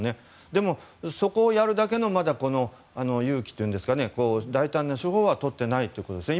でも、そこをやるだけの勇気というんですか大胆な手法は取っていないということですね。